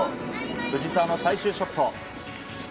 藤澤の最終ショット。